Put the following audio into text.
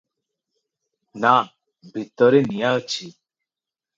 ନା, ଭିତରେ ନିଆଁ ଅଛି ।